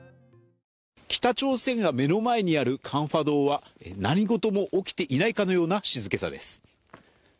北朝鮮が目の前にあるカンファドは何事も起きていないかのような静けさです。